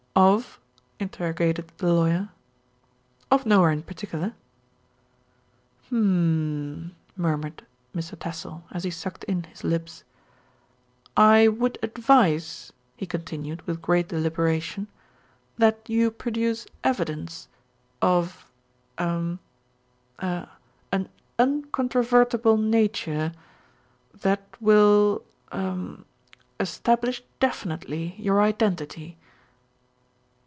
"Of?" interrogated the lawyer. "Of nowhere in particular." "Hmmmmmmmmmm," murmured Mr. Tassell, as he sucked in his lips. "I would advise," he continued, with great deliberation, "that you produce evidence 156 THE RETURN OF ALFRED of er er an uncontrovertible nature that will er establish definitely your identity."